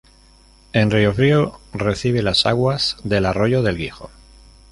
En Riofrío recibe las aguas del arroyo del Guijo.